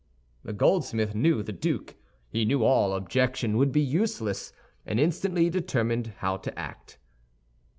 The goldsmith knew the duke. He knew all objection would be useless, and instantly determined how to act.